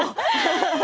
ハハハハ。